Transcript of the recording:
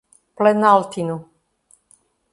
Planaltino